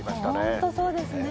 本当、そうですね。